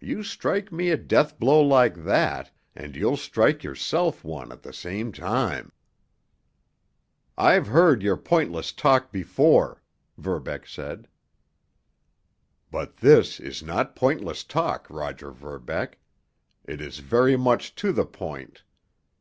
You strike me a deathblow like that—and you'll strike yourself one at the same time." "I've heard your pointless talk before," Verbeck said. "But this is not pointless talk, Roger Verbeck. It is very much to the point.